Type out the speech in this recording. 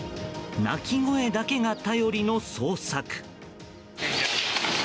鳴き声だけが頼りの捜索。